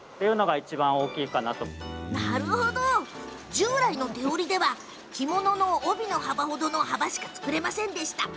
従来の手織りでは着物の帯の程の幅しか作れませんでした。